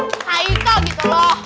hai toh gitu loh